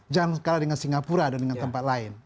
jangan kalah dengan singapura dan dengan tempat lain